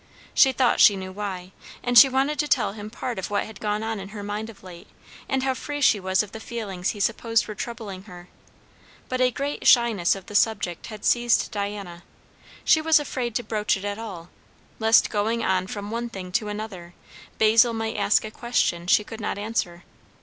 She thought she knew why; and she wanted to tell him part of what had gone on in her mind of late, and how free she was of the feelings he supposed were troubling her; but a great shyness of the subject had seized Diana. She was afraid to broach it at all, lest going on from one thing to another, Basil might ask a question she could not answer.